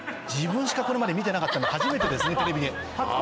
自分しかこれまで見てなかったので初めてですねテレビで。